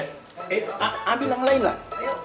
eh ambil yang lain lah